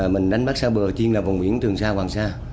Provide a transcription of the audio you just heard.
mình đánh bắt xa bờ chiê là vùng biển trường sa hoàng sa